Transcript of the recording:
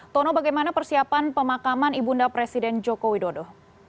tono bagaimana persiapan pemakaman ibunda presiden joko widodo